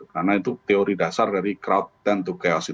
karena itu teori dasar dari crowd tend to chaos